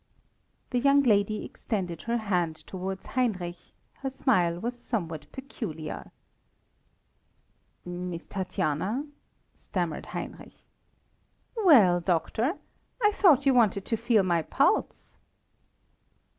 The young lady extended her hand towards Heinrich, her smile was somewhat peculiar. "Miss Tatiana?" stammered Heinrich. "Well, doctor! I thought you wanted to feel my pulse!"